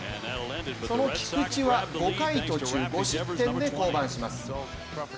その菊池は５回途中５失点で降板します。